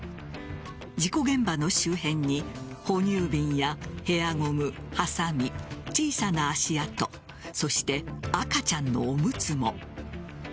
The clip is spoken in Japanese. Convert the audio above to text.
事故現場の周辺に哺乳瓶やヘアゴム、はさみ小さな足跡そして赤ちゃんのおむつも。